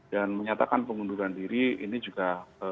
dan menyatakan pengunduran diri ini juga